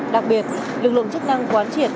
đặc biệt lực lượng chức năng quán triển